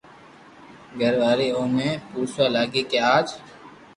گھر واري اوني پوسوا لاگي ڪي اج